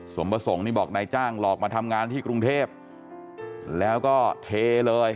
ประสงค์นี่บอกนายจ้างหลอกมาทำงานที่กรุงเทพแล้วก็เทเลย